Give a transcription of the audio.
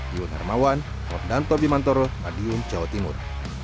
diun hermawan robdanto bimantoro radium jawa timur